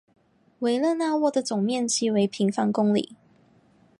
维勒讷沃的总面积为平方公里。